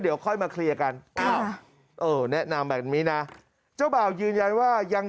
เดี๋ยวค่อยมาเคลียร์กันแนะนำแบบนี้นะเจ้าบ่าวยืนยันว่ายัง